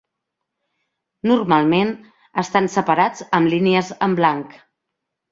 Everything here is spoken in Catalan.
Normalment estan separats amb línies en blanc.